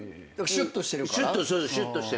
シュッとしてるから。